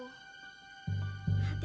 letih aku menunggu cintaku